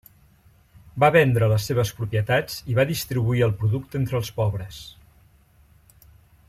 Va vendre les seves propietats i va distribuir el producte entre els pobres.